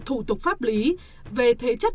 thủ tục pháp lý về thế chấp